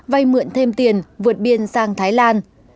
vay mượn thêm tiền vượt biên sang thái lan